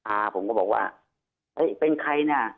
อาผมก็บอกว่าเฮ้ยเป็นใครน่ะ